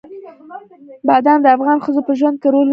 بادام د افغان ښځو په ژوند کې رول لري.